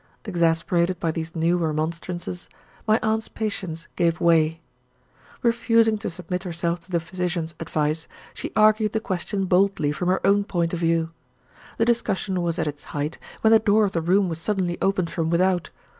Exasperated by these new remonstrances, my aunt's patience gave way. Refusing to submit herself to the physician's advice, she argued the question boldly from her own point of view. The discussion was at its height, when the door of the room was suddenly opened from without.